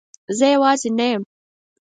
زه یوازی نه یم